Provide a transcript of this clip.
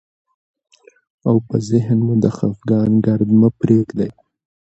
او په ذهن مو د خفګان ګرد مه پرېږدئ،